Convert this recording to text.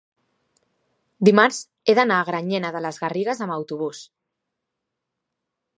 dimarts he d'anar a Granyena de les Garrigues amb autobús.